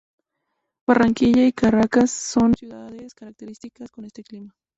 Barranquilla y Caracas son ciudades características con este clima.